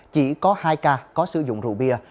chỉ có hai ca có sử dụng rượu bia